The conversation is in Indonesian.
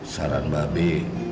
saran mba be